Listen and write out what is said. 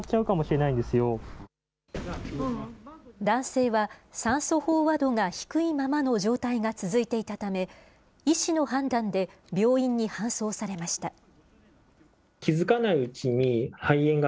男性は、酸素飽和度が低いままの状態が続いていたため、医師の判断で病院に搬送されました。